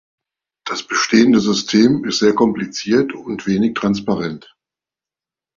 Das bestehende System ist sehr kompliziert und wenig transparent.